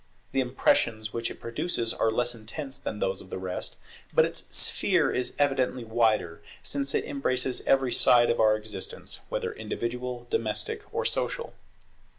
The impressions which it produces are less intense than those of the rest, but its sphere is evidently wider, since it embraces every side of our existence, whether individual, domestic, or social.